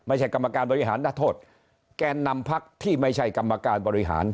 กรรมการบริหารนักโทษแกนนำพักที่ไม่ใช่กรรมการบริหาร